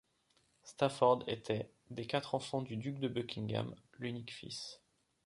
Stafford était, des quatre enfants du duc de Buckingham, l'unique fils.